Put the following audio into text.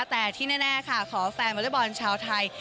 แต่ที่แน่ค่ะขอแฟนวอเล็กบอลชาวไทย